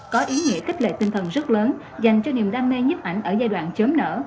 có ý nghĩa kích lệ tinh thần rất lớn dành cho niềm đam mê nhấp ảnh ở giai đoạn chớm nở